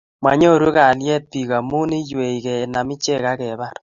manyoru kalyet biik amu iywei kenam iche agebar.